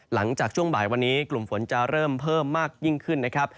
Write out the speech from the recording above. หลังจากช่วงบ่ายวันนี้กลุ่มฝนจะเริ่มเพิ่มมากยิ่งขึ้นนะครับ